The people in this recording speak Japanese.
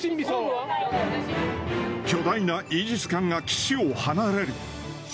巨大なイージス艦が岸を離れる。